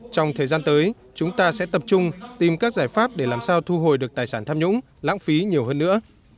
trong thời gian tới chúng ta sẽ tập trung tìm các giải pháp để làm sao thu hồi được tài sản tham nhũng lãng phí nhiều hơn nữa